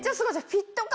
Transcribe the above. フィット感